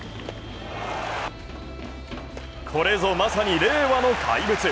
これぞまさに令和の怪物。